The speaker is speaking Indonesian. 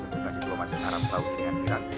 untuk menentukan kekelompokan arab saudi dengan iran